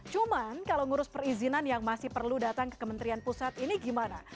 cuman kalau ngurus perizinan yang masih perlu datang ke kementerian pusat ini gimana